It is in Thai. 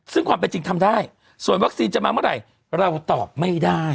ซึ่งความเป็นจริงทำได้ส่วนวัคซีนจะมาเมื่อไหร่เราตอบไม่ได้